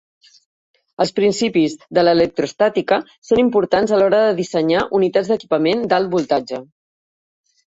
Els principis d'electrostàtica són importants a l'hora de dissenyar unitats d'equipament d'alt voltatge.